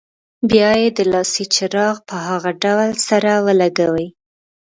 بیا یې د لاسي چراغ په هغه ډول سره ولګوئ.